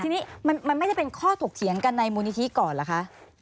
ทีนี้มันไม่ได้เป็นข้อถกเถียงกันในมูลนิธิก่อนเหรอคะ